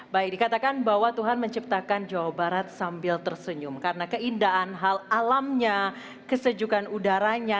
baik dikatakan bahwa tuhan menciptakan jawa barat sambil tersenyum karena keindahan hal alamnya kesejukan udaranya